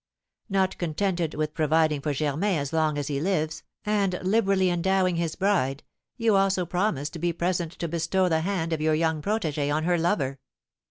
Not contented with providing for Germain as long as he lives, and liberally endowing his bride, you also promised to be present to bestow the hand of your young protégée on her lover."